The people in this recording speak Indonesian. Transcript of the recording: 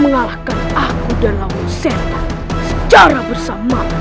mengalahkan aku dan lawan setan secara bersamaan